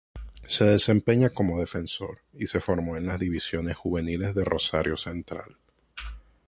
Se desempeña como defensor y se formó en las divisiones juveniles de Rosario Central.